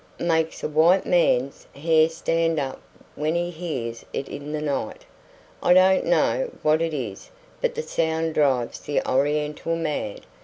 Makes a white man's hair stand up when he hears it in the night. I don't know what it is, but the sound drives the Oriental mad.